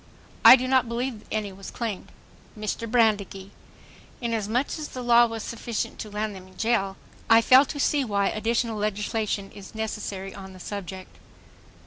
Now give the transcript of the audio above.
I do not believe any was claimed .... MR. BRANDEGEE: Inasmuch as the law was sufficient to land them in jail ... I fail to see why additional legislation is necessary on the subject.